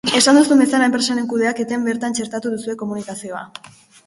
Esan duzun bezala, enpresaren kudeaketan bertan txertatu duzue komunikazioa.